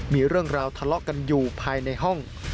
มีเรื่องราวทะเลาะกันอยู่ภายในห้อง